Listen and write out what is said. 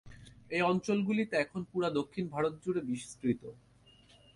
এই অঞ্চলগুলিতে এখন পুরো দক্ষিণ ভারত জুড়ে বিস্তৃত।